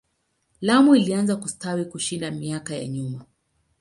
Lamu ilianza kustawi kushinda miaka ya nyuma.